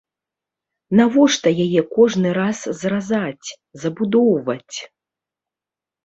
Навошта яе кожны раз зразаць, забудоўваць?